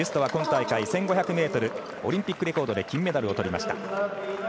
今大会１５００ｍオリンピックレコードで金メダルをとりました。